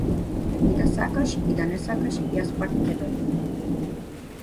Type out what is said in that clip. И да сакаш и да не сакаш јас пак ќе дојдам.